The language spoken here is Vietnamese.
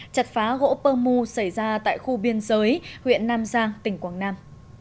chặt phá gỗ pơ mu xảy ra tại khu biên giới huyện nam giang tỉnh quảng nam